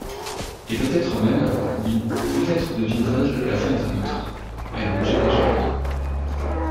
Et peut-être même … oui, peut-être deviendrai-je la femme d'un autre.» Elle rougit légèrement.